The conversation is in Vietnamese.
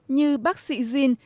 như bác sĩ jin